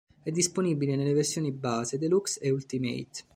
È disponibile nelle versioni base, deluxe e ultimate.